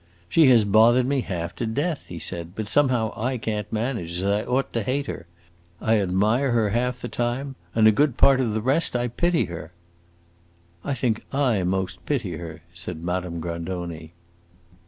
"She has bothered me half to death," he said, "but somehow I can't manage, as I ought, to hate her. I admire her, half the time, and a good part of the rest I pity her." "I think I most pity her!" said Madame Grandoni.